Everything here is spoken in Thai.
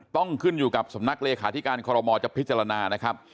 ต้องขึ้นอยู่กับสำนักเลขาธิการคอรมอลจะพิจารณานะครับ